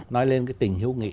nói lên cái tình hữu nghị